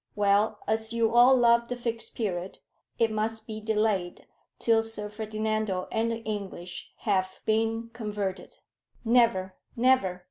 "Well, as you all love the Fixed Period, it must be delayed till Sir Ferdinando and the English have been converted." "Never, never!"